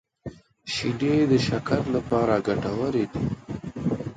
شیدې د شکر لپاره ګټورې دي